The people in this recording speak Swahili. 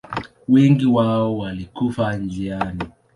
Wengi wao walikufa njiani.